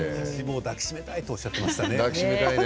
抱き締めたいとおっしゃっていましたね。